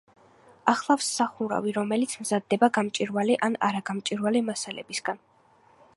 ახლავს სახურავი, რომელიც მზადდება გამჭვირვალე ან არაგამჭვირვალე მასალებისგან.